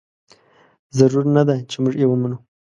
ضرور نه ده چې موږ یې ومنو.